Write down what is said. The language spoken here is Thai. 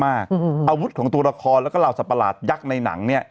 อาวุธของตัวละครแล้วก็เหล่าสับประหลาดยักษ์ในหนังเนี่ย